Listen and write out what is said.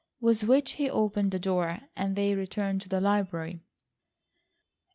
With which he opened the door and they returned to the library.